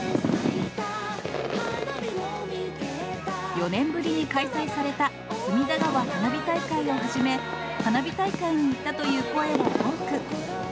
４年ぶりに開催された隅田川花火大会をはじめ、花火大会に行ったという声は多く。